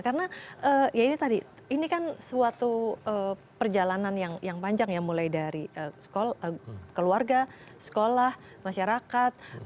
karena ya ini tadi ini kan suatu perjalanan yang panjang ya mulai dari keluarga sekolah masyarakat